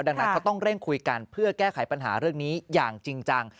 ดังนั้นเขาต้องเร่งคุยกันเพื่อแก้ไขปัญหาเรื่องนี้อย่างจริงจัง